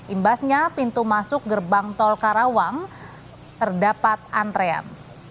imbasnya pintu masuk gerbang tol karawang terdapat antrean